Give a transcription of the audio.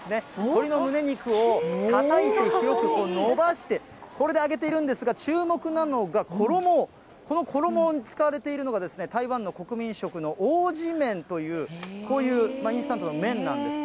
鶏の胸肉をたたいて広く延ばして、これで揚げているんですが、注目なのが、衣を、この衣に使われているのが、台湾の国民食の王子麺という、こういうインスタントの麺なんです。